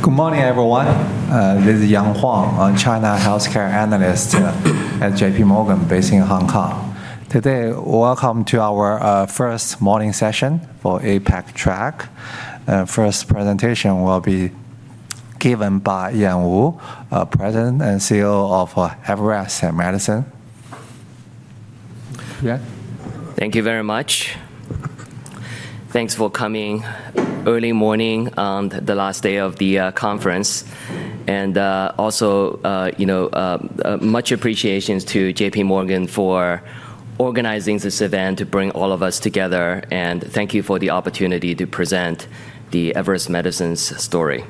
Good morning, everyone. This is Yang Huang, a China healthcare analyst at JPMorgan, based in Hong Kong. Today, welcome to our first morning session for APAC Track. First presentation will be given by Ian Woo, President and CEO of Everest Medicines. Thank you very much. Thanks for coming early morning on the last day of the conference. And also, you know, much appreciation to JPMorgan for organizing this event to bring all of us together. And thank you for the opportunity to present the Everest Medicines story.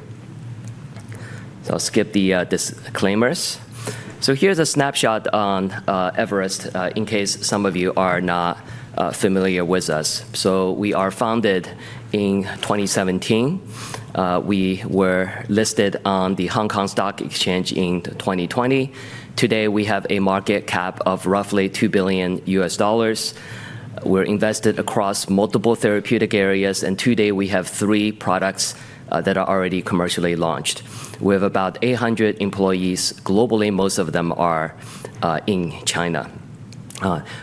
So I'll skip the disclaimers. So here's a snapshot on Everest in case some of you are not familiar with us. So we are founded in 2017. We were listed on the Hong Kong Stock Exchange in 2020. Today, we have a market cap of roughly $2 billion. We're invested across multiple therapeutic areas. And today, we have three products that are already commercially launched. We have about 800 employees globally. Most of them are in China.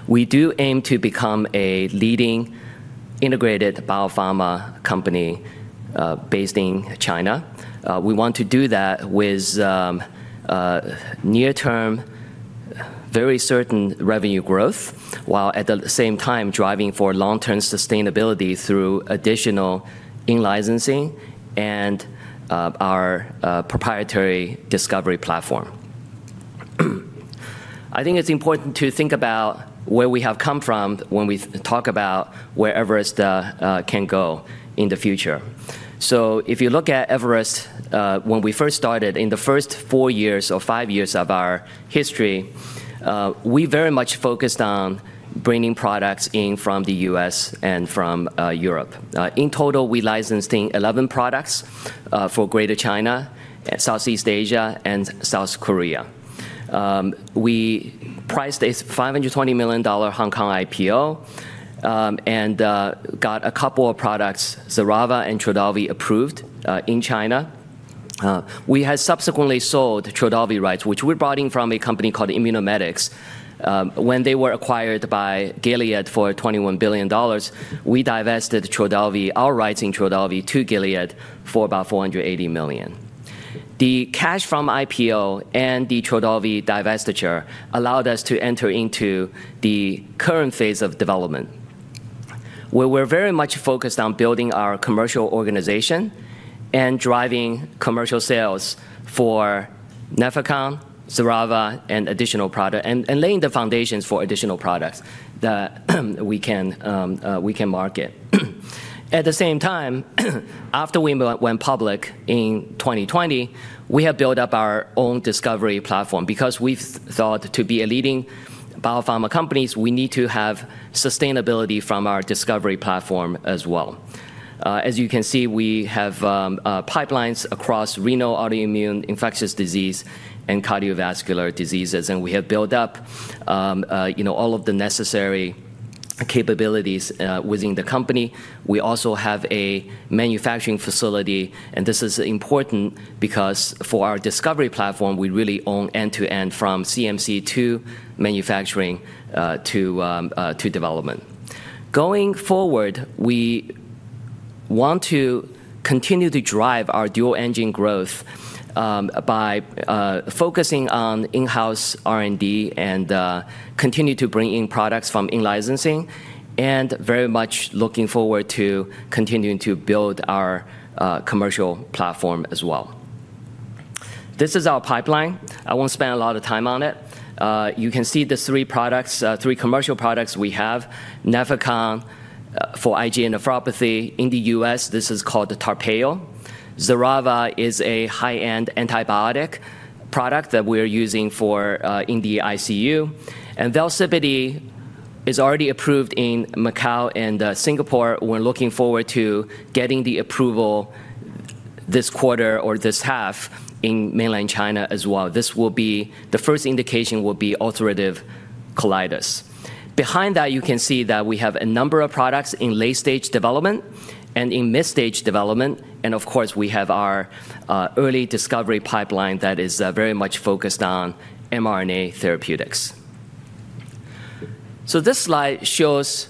We do aim to become a leading integrated biopharma company based in China. We want to do that with near-term, very certain revenue growth, while at the same time driving for long-term sustainability through additional in-licensing and our proprietary discovery platform. I think it's important to think about where we have come from when we talk about where Everest can go in the future. So if you look at Everest, when we first started, in the first four years or five years of our history, we very much focused on bringing products in from the U.S. and from Europe. In total, we licensed 11 products for Greater China, Southeast Asia, and South Korea. We priced a $520 million Hong Kong IPO and got a couple of products, Xerava and Trodelvy, approved in China. We had subsequently sold Trodelvy rights, which we brought in from a company called Immunomedics. When they were acquired by Gilead for $21 billion, we divested Trodelvy, our rights in Trodelvy, to Gilead for about $480 million. The cash from IPO and the Trodelvy divestiture allowed us to enter into the current phase of development. We were very much focused on building our commercial organization and driving commercial sales for Nefecon, Xerava, and additional products, and laying the foundations for additional products that we can market. At the same time, after we went public in 2020, we have built up our own discovery platform. Because we've thought, to be a leading biopharma company, we need to have sustainability from our discovery platform as well. As you can see, we have pipelines across renal, autoimmune, infectious disease, and cardiovascular diseases. And we have built up all of the necessary capabilities within the company. We also have a manufacturing facility. This is important because, for our discovery platform, we really own end-to-end, from CMC to manufacturing to development. Going forward, we want to continue to drive our dual-engine growth by focusing on in-house R&D and continue to bring in products from in-licensing, and very much looking forward to continuing to build our commercial platform as well. This is our pipeline. I won't spend a lot of time on it. You can see the three commercial products we have: Nefecon for IgA nephropathy. In the U.S., this is called Tarpeo. Xerava is a high-end antibiotic product that we are using for in the ICU. Velsipity is already approved in Macau and Singapore. We're looking forward to getting the approval this quarter or this half in Mainland China as well. This will be the first indication will be ulcerative colitis. Behind that, you can see that we have a number of products in late-stage development and in mid-stage development. And of course, we have our early discovery pipeline that is very much focused on mRNA therapeutics. So this slide shows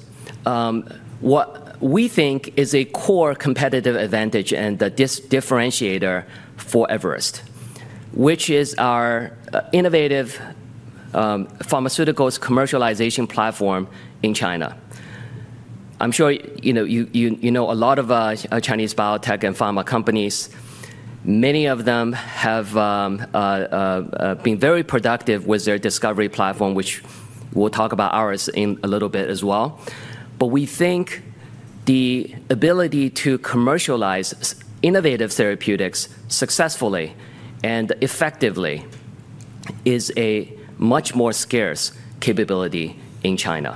what we think is a core competitive advantage and the differentiator for Everest, which is our innovative pharmaceuticals commercialization platform in China. I'm sure you know a lot of Chinese biotech and pharma companies. Many of them have been very productive with their discovery platform, which we'll talk about ours in a little bit as well. But we think the ability to commercialize innovative therapeutics successfully and effectively is a much more scarce capability in China.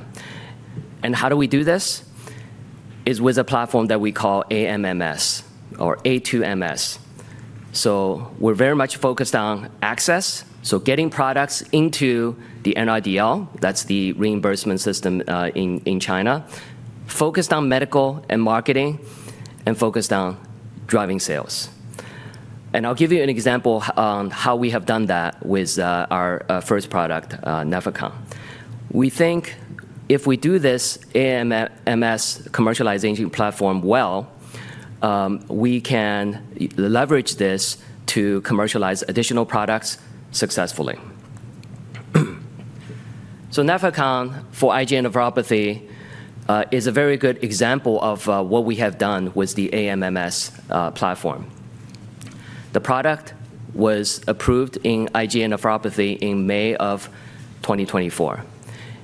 And how do we do this? It's with a platform that we call AMMS, or A2MS. So we're very much focused on access, so getting products into the NRDL, that's the reimbursement system in China, focused on medical and marketing, and focused on driving sales. And I'll give you an example on how we have done that with our first product, Nefecon. We think, if we do this AMMS commercialization platform well, we can leverage this to commercialize additional products successfully. So Nefecon for IgA nephropathy is a very good example of what we have done with the AMMS platform. The product was approved in IgA nephropathy in May of 2024.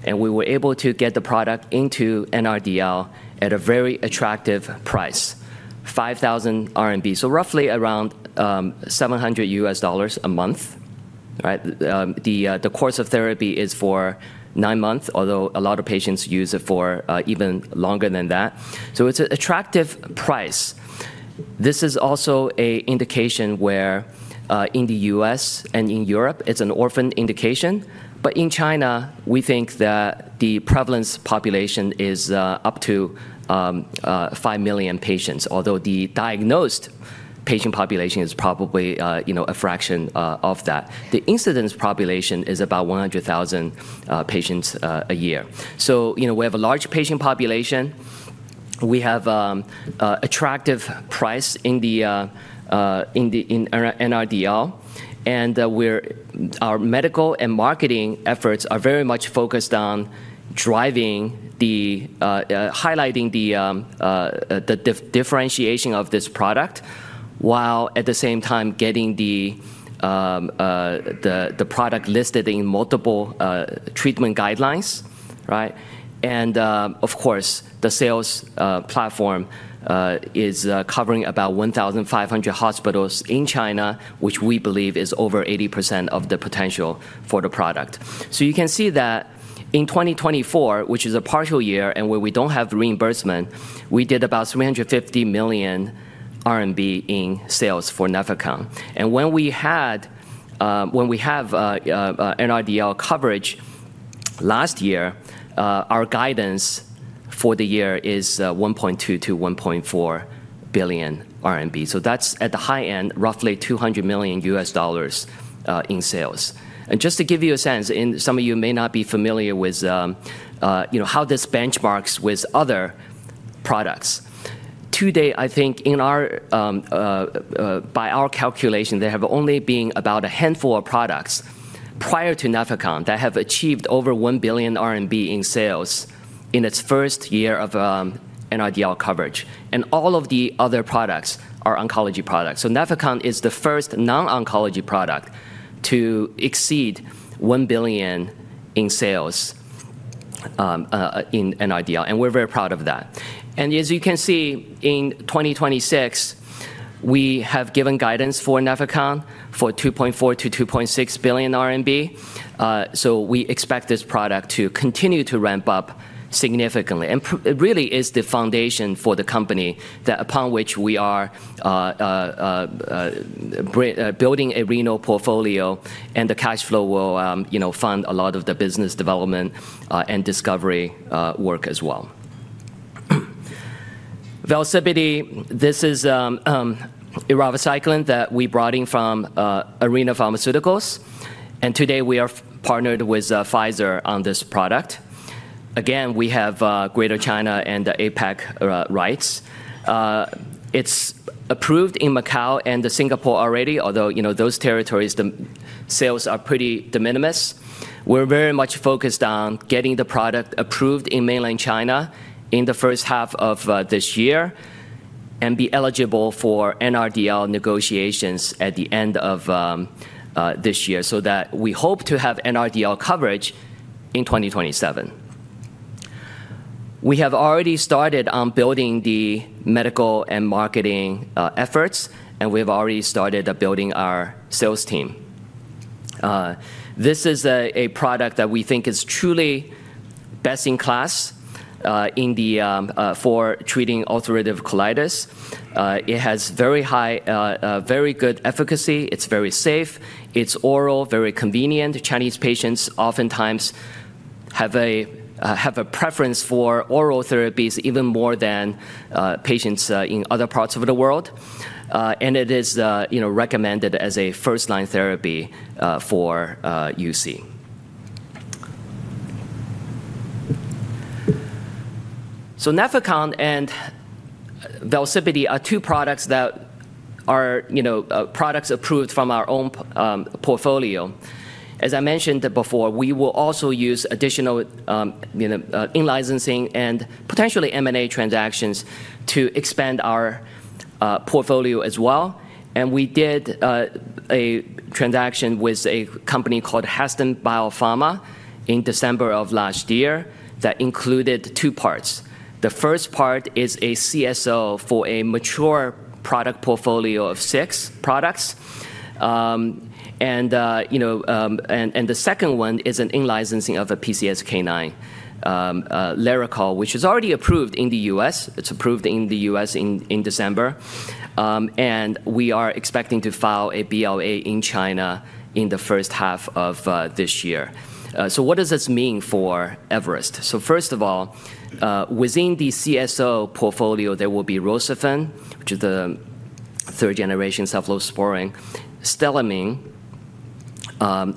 And we were able to get the product into NRDL at a very attractive price, 5,000 RMB, so roughly around $700 a month. The course of therapy is for nine months, although a lot of patients use it for even longer than that. So it's an attractive price. This is also an indication where, in the U.S. and in Europe, it's an orphan indication. But in China, we think that the prevalence population is up to five million patients, although the diagnosed patient population is probably a fraction of that. The incidence population is about 100,000 patients a year. So we have a large patient population. We have an attractive price in NRDL. And our medical and marketing efforts are very much focused on highlighting the differentiation of this product, while at the same time getting the product listed in multiple treatment guidelines. And of course, the sales platform is covering about 1,500 hospitals in China, which we believe is over 80% of the potential for the product. So you can see that, in 2024, which is a partial year and where we don't have reimbursement, we did about 350 million RMB in sales for Nefecon. And when we have NRDL coverage last year, our guidance for the year is 1.2 billion-1.4 billion RMB. So that's, at the high end, roughly $200 million in sales. And just to give you a sense, and some of you may not be familiar with how this benchmarks with other products, today, I think, by our calculation, there have only been about a handful of products prior to Nefecon that have achieved over 1 billion RMB in sales in its first year of NRDL coverage. And all of the other products are oncology products. So Nefecon is the first non-oncology product to exceed 1 billion in sales in NRDL. And we're very proud of that. And as you can see, in 2026, we have given guidance for Nefecon for 2.4 billion-2.6 billion RMB. So we expect this product to continue to ramp up significantly. It really is the foundation for the company upon which we are building a renal portfolio. The cash flow will fund a lot of the business development and discovery work as well. Velsipity, this is an that we brought in from Arena Pharmaceuticals. Today, we are partnered with Pfizer on this product. Again, we have Greater China and the APAC rights. It's approved in Macau and Singapore already, although those territories, the sales are pretty de minimis. We're very much focused on getting the product approved in Mainland China in the first half of this year and be eligible for NRDL negotiations at the end of this year, so that we hope to have NRDL coverage in 2027. We have already started on building the medical and marketing efforts. We have already started building our sales team. This is a product that we think is truly best in class for treating ulcerative colitis. It has very good efficacy. It's very safe. It's oral, very convenient. Chinese patients oftentimes have a preference for oral therapies even more than patients in other parts of the world. And it is recommended as a first-line therapy for UC. So Nefecon and Velsipity are two products that are products approved from our own portfolio. As I mentioned before, we will also use additional in-licensing and potentially M&A transactions to expand our portfolio as well. And we did a transaction with a company called Hasten Biopharma in December of last year that included two parts. The first part is a CSO for a mature product portfolio of six products. And the second one is an in-licensing of a PCSK9, Lerochol, which is already approved in the U.S. It's approved in the U.S. in December. And we are expecting to file a BLA in China in the first half of this year. So what does this mean for Everest? So first of all, within the CSO portfolio, there will be Rocephin, which is the third-generation cephalosporin, Stilamin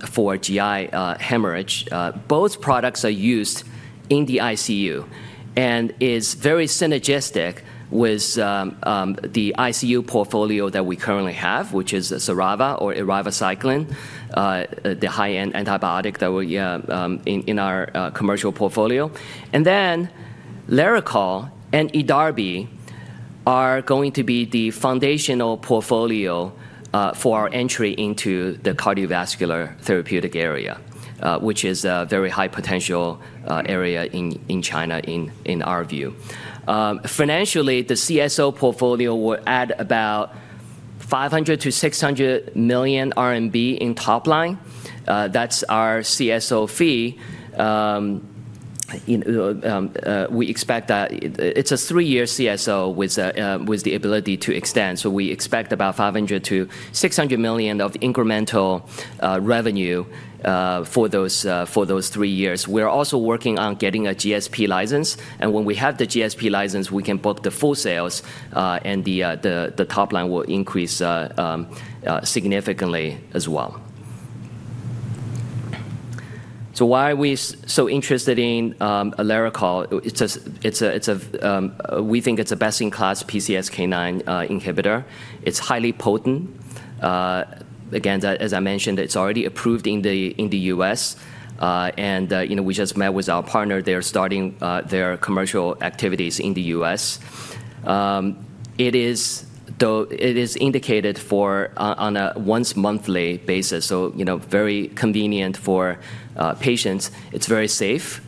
for GI hemorrhage. Both products are used in the ICU. And it's very synergistic with the ICU portfolio that we currently have, which is Xerava or eravacycline, the high-end antibiotic in our commercial portfolio. And then Lerochol and Edarbi are going to be the foundational portfolio for our entry into the cardiovascular therapeutic area, which is a very high-potential area in China, in our view. Financially, the CSO portfolio will add about 500 million-600 million RMB in top line. That's our CSO fee. We expect that it's a three-year CSO with the ability to extend. So we expect about 500 million-600 million of incremental revenue for those three years. We are also working on getting a GSP license. And when we have the GSP license, we can book the full sales. And the top line will increase significantly as well. So why are we so interested in Lerochol? We think it's a best-in-class PCSK9 inhibitor. It's highly potent. Again, as I mentioned, it's already approved in the U.S. And we just met with our partner. They're starting their commercial activities in the U.S. It is indicated on a once-monthly basis, so very convenient for patients. It's very safe.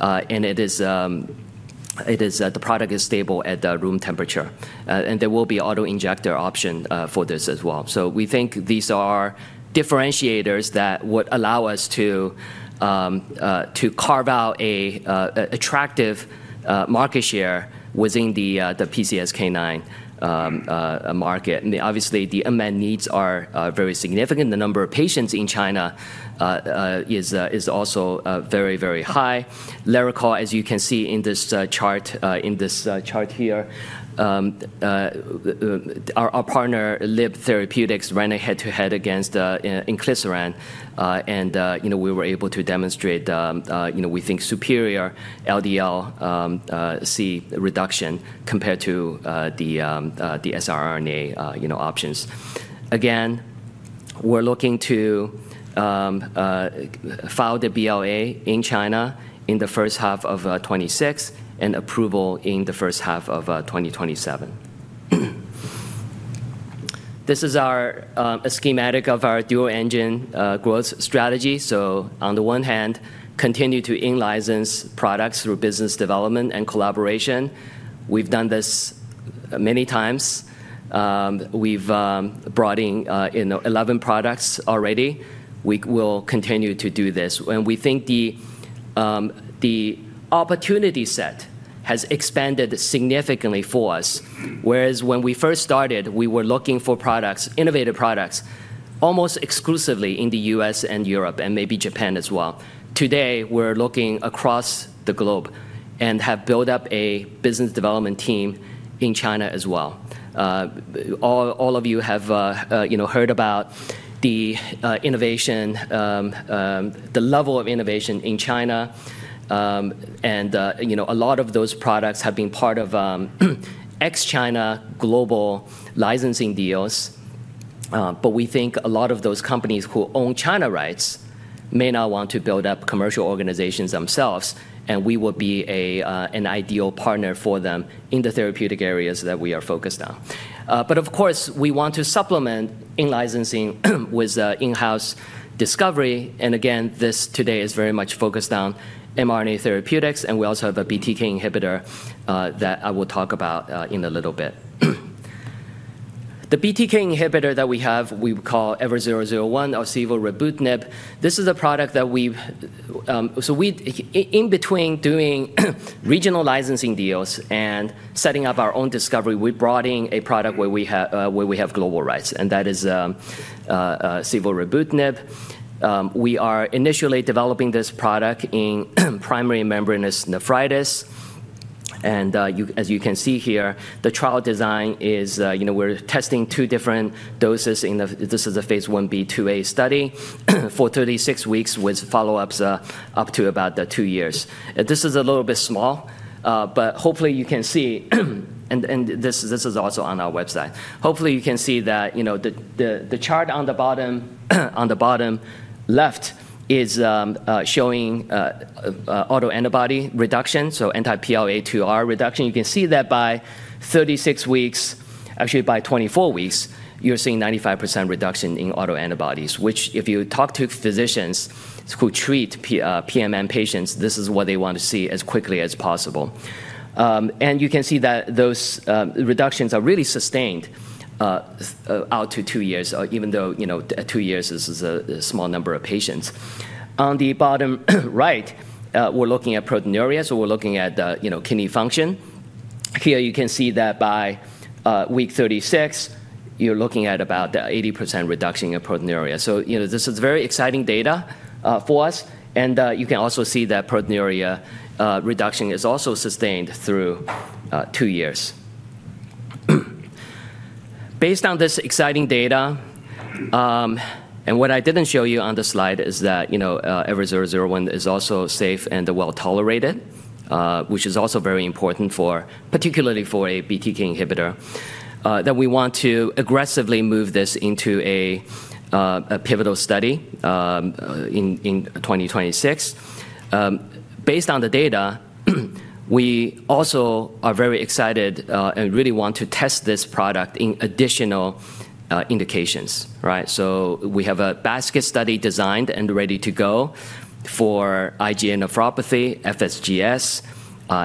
And the product is stable at room temperature. And there will be autoinjector option for this as well. So we think these are differentiators that would allow us to carve out an attractive market share within the PCSK9 market. Obviously, the MN needs are very significant. The number of patients in China is also very, very high. Lerochol, as you can see in this chart here, our partner, LIB Therapeutics, ran a head-to-head against Inclisiran. And we were able to demonstrate, we think, superior LDL-C reduction compared to the siRNA options. Again, we're looking to file the BLA in China in the first half of 2026 and approval in the first half of 2027. This is a schematic of our dual-engine growth strategy. So on the one hand, continue to in-license products through business development and collaboration. We've done this many times. We've brought in 11 products already. We will continue to do this. And we think the opportunity set has expanded significantly for us. Whereas when we first started, we were looking for innovative products almost exclusively in the U.S. and Europe and maybe Japan as well. Today, we're looking across the globe and have built up a business development team in China as well. All of you have heard about the level of innovation in China, and a lot of those products have been part of ex-China global licensing deals, but we think a lot of those companies who own China rights may not want to build up commercial organizations themselves, and we will be an ideal partner for them in the therapeutic areas that we are focused on. But of course, we want to supplement in-licensing with in-house discovery, and again, this today is very much focused on mRNA therapeutics. And we also have a BTK inhibitor that I will talk about in a little bit. The BTK inhibitor that we have, we call EVER001 or civorebrutinib. This is a product that we've, in between doing regional licensing deals and setting up our own discovery, brought in a product where we have global rights, and that is civorebrutinib. We are initially developing this product in primary membranous nephritis, and as you can see here, the trial design is we're testing two different doses. This is a phase I-B, II-A study for 36 weeks with follow-ups up to about two years. This is a little bit small, but hopefully, you can see and this is also on our website. Hopefully, you can see that the chart on the bottom left is showing autoantibody reduction, so anti-PLA2R reduction. You can see that by 36 weeks, actually by 24 weeks, you're seeing 95% reduction in autoantibodies, which, if you talk to physicians who treat PMN patients, this is what they want to see as quickly as possible. You can see that those reductions are really sustained out to two years, even though two years is a small number of patients. On the bottom right, we're looking at proteinuria. So we're looking at kidney function. Here, you can see that by week 36, you're looking at about 80% reduction in proteinuria. So this is very exciting data for us. You can also see that proteinuria reduction is also sustained through two years. Based on this exciting data, and what I didn't show you on the slide is that EVER001 is also safe and well tolerated, which is also very important, particularly for a BTK inhibitor, that we want to aggressively move this into a pivotal study in 2026. Based on the data, we also are very excited and really want to test this product in additional indications. We have a basket study designed and ready to go for IgA nephropathy, FSGS,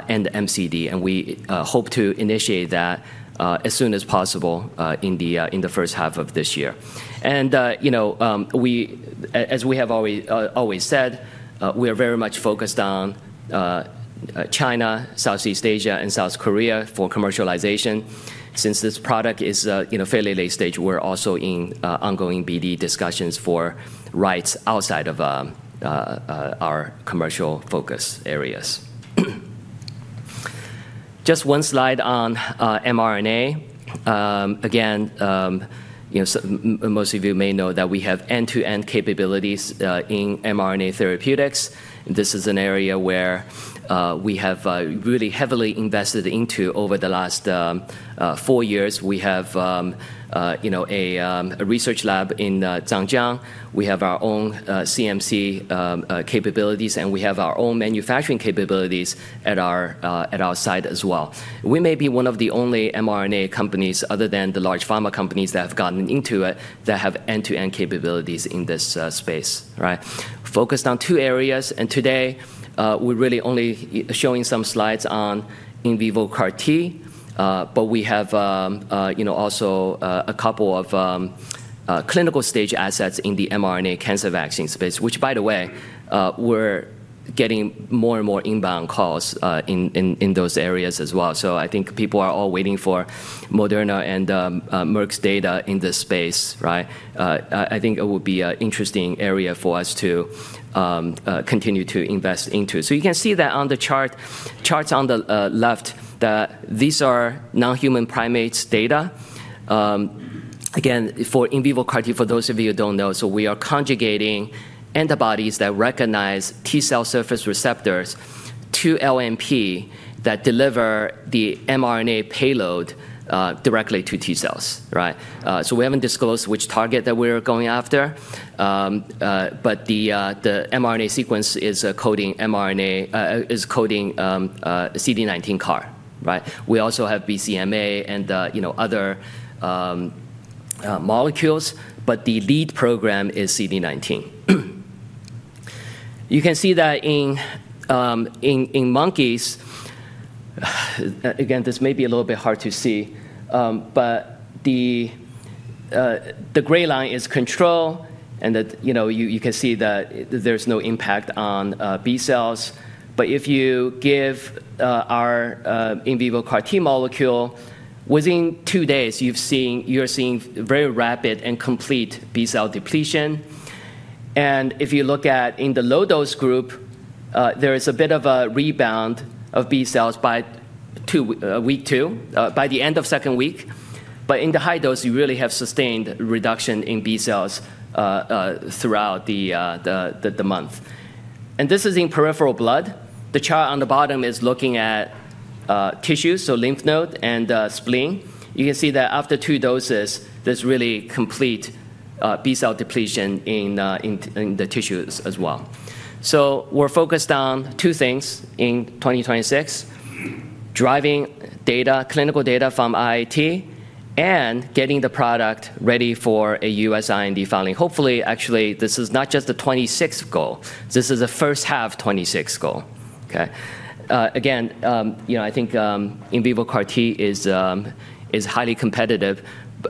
and MCD. We hope to initiate that as soon as possible in the first half of this year. As we have always said, we are very much focused on China, Southeast Asia, and South Korea for commercialization. Since this product is fairly late stage, we're also in ongoing BD discussions for rights outside of our commercial focus areas. Just one slide on mRNA. Again, most of you may know that we have end-to-end capabilities in mRNA therapeutics. This is an area where we have really heavily invested into over the last four years. We have a research lab in Zhangjiang. We have our own CMC capabilities. We have our own manufacturing capabilities at our site as well. We may be one of the only mRNA companies, other than the large pharma companies that have gotten into it, that have end-to-end capabilities in this space, focused on two areas, and today, we're really only showing some slides on in vivo CAR-T, but we have also a couple of clinical stage assets in the mRNA cancer vaccine space, which, by the way, we're getting more and more inbound calls in those areas as well, so I think people are all waiting for Moderna and Merck's data in this space. I think it would be an interesting area for us to continue to invest into, so you can see that on the chart on the left, these are non-human primates data. Again, for in vivo CAR-T, for those of you who don't know, so we are conjugating antibodies that recognize T cell surface receptors to LNP that deliver the mRNA payload directly to T cells. So we haven't disclosed which target that we are going after. But the mRNA sequence is coding CD19 CAR. We also have BCMA and other molecules. But the lead program is CD19. You can see that in monkeys. Again, this may be a little bit hard to see. But the gray line is control. And you can see that there's no impact on B cells. But if you give our in vivo CAR-T molecule, within two days, you're seeing very rapid and complete B cell depletion. And if you look at in the low-dose group, there is a bit of a rebound of B cells by week two, by the end of second week. But in the high dose, you really have sustained reduction in B cells throughout the month. And this is in peripheral blood. The chart on the bottom is looking at tissues, so lymph node and spleen. You can see that after two doses, there's really complete B cell depletion in the tissues as well. So we're focused on two things in 2026: driving clinical data from IIT and getting the product ready for a U.S. IND filing. Hopefully, actually, this is not just the 2026 goal. This is a first half 2026 goal. Again, I think in vivo CAR-T is highly competitive.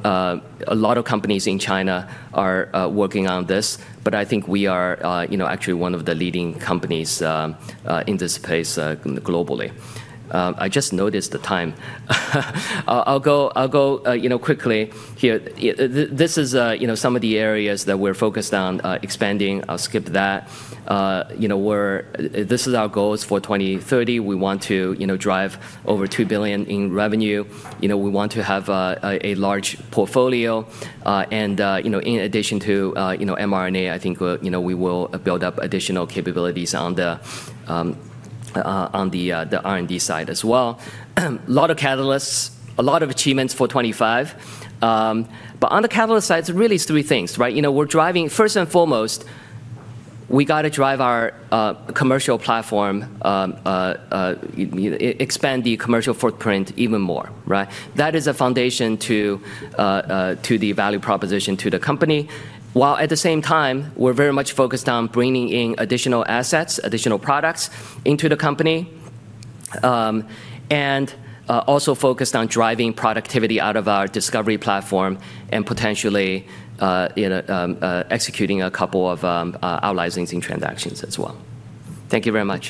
A lot of companies in China are working on this. But I think we are actually one of the leading companies in this space globally. I just noticed the time. I'll go quickly here. This is some of the areas that we're focused on expanding. I'll skip that. This is our goals for 2030. We want to drive over 2 billion in revenue. We want to have a large portfolio, and in addition to mRNA, I think we will build up additional capabilities on the R&D side as well. A lot of catalysts, a lot of achievements for 2025, but on the catalyst side, it's really three things. We're driving, first and foremost, we got to drive our commercial platform, expand the commercial footprint even more. That is a foundation to the value proposition to the company. While at the same time, we're very much focused on bringing in additional assets, additional products into the company, and also focused on driving productivity out of our discovery platform and potentially executing a couple of out-licensing transactions as well. Thank you very much.